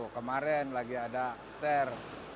kemarin lagi ada ter